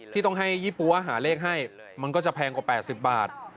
ที่ต้องให้ยี่ปั๊วหาเลขให้มันก็จะแพงกว่า๘๐บาท